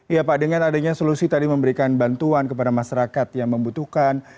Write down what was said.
iya pak dengan adanya solusi tadi memberikan bantuan kepada masyarakat yang membutuhkan